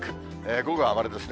午後は丸ですね。